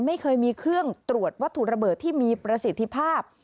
ไม่เคยมีเครื่องตรวจวัตถุระเบิดที่มีประสิทธิภาพ